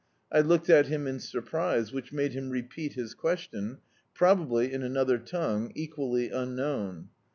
I looked at him in surprise, which made him repeat his question, probably in another tongue, equally tmknown.